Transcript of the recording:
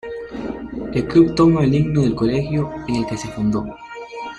El club toma el himno del colegio en el que se fundó.